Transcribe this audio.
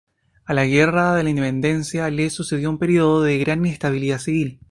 A la Guerra de la Independencia le sucedió un período de gran inestabilidad civil.